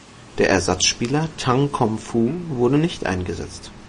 Der Ersatzspieler Tang Kum Foo wurde nicht eingesetzt.